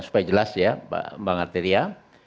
supaya jelas ya mbak artelia